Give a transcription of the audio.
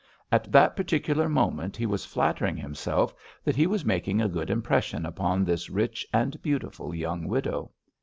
At that particular moment he was flattering himself that he was making a good impression upon this rich and beautiful young widow.